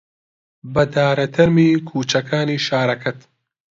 بەدارە تەرمی کووچەکانی شارەکەت